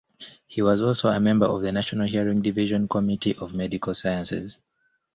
He was also a member of the National Hearing Division Committee of Medical Sciences.